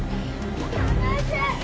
離せ！